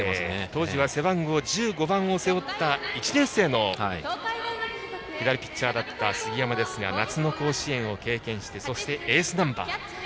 当時は背番号１５番を背負った１年生の左ピッチャーだった杉山ですが夏の甲子園を経験してそしてエースナンバー。